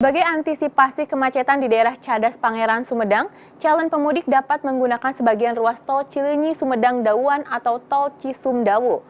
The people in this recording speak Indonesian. sebagai antisipasi kemacetan di daerah cadas pangeran sumedang calon pemudik dapat menggunakan sebagian ruas tol cilinyi sumedang dawan atau tol cisumdawu